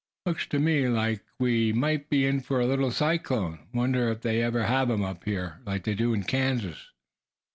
"Looks to me like we might be in for a little cyclone. Wonder if they ever have 'em up here, like they do in Kansas."